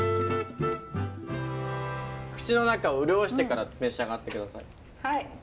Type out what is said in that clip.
口の中を潤してから召し上がって下さい。